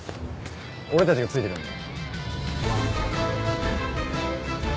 俺たちがついてるんで。